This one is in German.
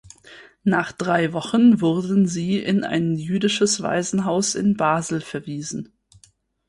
Nach drei Wochen wurden sie in ein jüdisches Waisenhaus in Basel verwiesen.